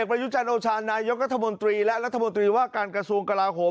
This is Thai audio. ผู้จัดโอชาญนายกรรธมนตรีและรัฐมนตรีว่าการกระทรวงกระลาฮม